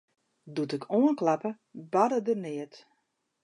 Doe't ik oankloppe, barde der neat.